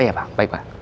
iya pak baik pak